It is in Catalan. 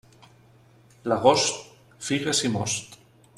L'agost, figues i most.